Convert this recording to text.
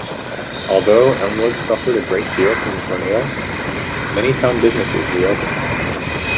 Although Elmwood suffered a great deal from the tornado, many town businesses re-opened.